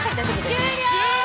終了！